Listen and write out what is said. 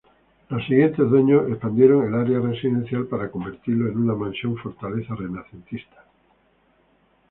Los siguientes dueños expandieron el área residencial para convertirlo en una mansión fortaleza renacentista.